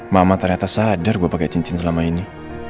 mama ternyata sadar gue pakai cincin selama ini